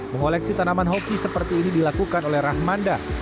mengoleksi tanaman hoki seperti ini dilakukan oleh rahmanda